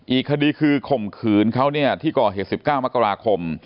อีกคดีคือคมคืนเขาเนี่ยที่ก่อเหตุสิบเก้ามกราคม